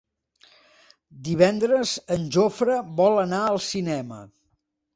Divendres en Jofre vol anar al cinema.